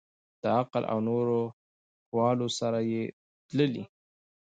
د عقل او نورو حوالو سره یې تللي.